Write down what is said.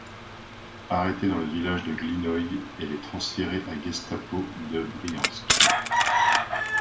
Arrêtée dans le village de Glinnoye, elle est transférée à Gestapo de Briansk.